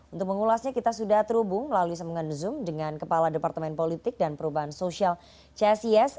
untuk mengulasnya kita sudah terhubung melalui semangat zoom dengan kepala departemen politik dan perubahan sosial csis